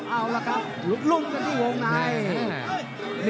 เอาล่ะครับลุกกันที่วงใน